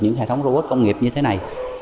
những hệ thống robot công nghiệp như thế này